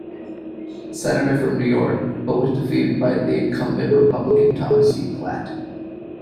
Senator from New York, but was defeated by the incumbent Republican Thomas C. Platt.